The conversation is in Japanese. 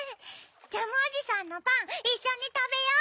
ジャムおじさんのパンいっしょにたべよう！